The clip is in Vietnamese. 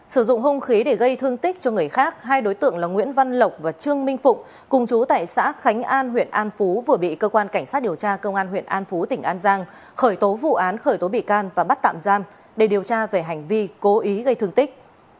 sử dụng hung khí để gây thương tích cho người khác hai đối tượng là nguyễn văn lộc và trương minh phụng cùng chú tại xã khánh an huyện an phú vừa bị cơ quan cảnh sát điều tra công an huyện an phú tỉnh an giang khởi tố vụ án khởi tố bị can và bắt tạm giam để điều tra về hành vi cố ý gây thương tích